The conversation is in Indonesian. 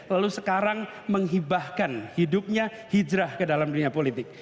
lalu sekarang menghibahkan hidupnya hijrah ke dalam dunia politik